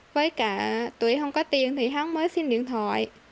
với cả tụi em không có tiền thì hắn mới xin điện thoại